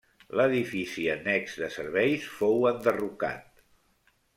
L'edifici annex de serveis fou enderrocat.